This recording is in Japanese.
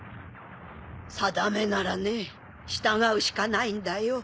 定めならね従うしかないんだよ。